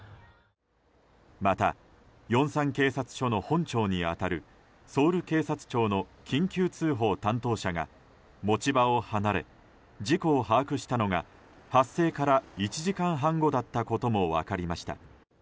また、ヨンサン警察署の本庁に当たるソウル警察庁の緊急通報担当者が持ち場を離れ事故を把握したのが発生から１時間半後だったことも分かりました。